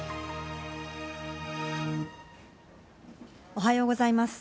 おはようございます。